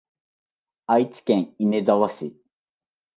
愛知県稲沢市